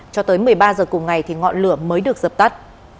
cho tới một mươi ba h cùng ngày thì ngọn lửa mới được dập tắt